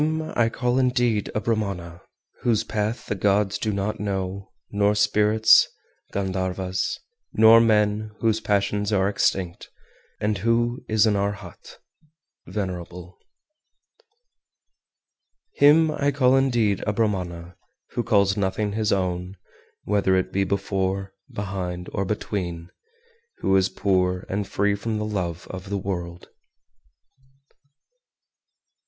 Him I call indeed a Brahmana whose path the gods do not know, nor spirits (Gandharvas), nor men, whose passions are extinct, and who is an Arhat (venerable). 421. Him I call indeed a Brahmana who calls nothing his own, whether it be before, behind, or between, who is poor, and free from the love of the world. 422.